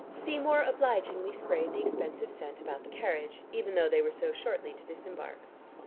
Seymour obligingly sprayed the expensive scent about the carriage, even though they were so shortly to disembark.